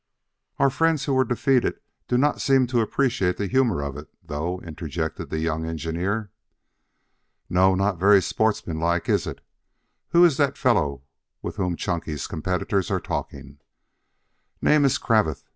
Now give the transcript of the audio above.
"Our friends who were defeated do not seem to appreciate the humor of it, though," interjected the young engineer. "No, not very sportsmanlike, is it? Who is that fellow with whom Chunky's competitors are talking?" "Name is Cravath.